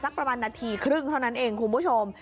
ประมาณนาทีครึ่งเท่านั้นเองคุณผู้ชม